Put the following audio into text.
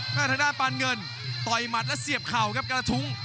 ทางด้านปานเงินต่อยหมัดและเสียบเข่าครับกระทุ้ง